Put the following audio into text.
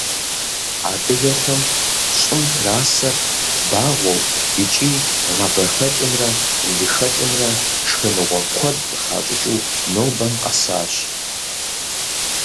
Адыгэхэм щӀым трасэр багъуэу иӀки гъавэ хэкӀымрэ лы хэкӀымрэ шхыныгъуэ куэд къыхащӀыкӀыу нобэм къэсащ.